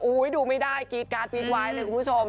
ดูไม่ได้กรี๊ดการ์ดกีดไว้เลยคุณผู้ชม